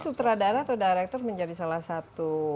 sutradara atau director menjadi salah satu